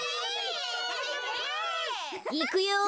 いくよ。